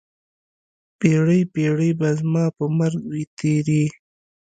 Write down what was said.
پیړۍ، پیړۍ به زما په مرګ وي تېرې